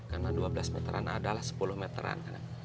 karena dua belas meter an adalah sepuluh meter an